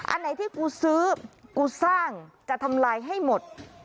อันไหนที่กูซื้อกูสร้างจะทำลายให้หมด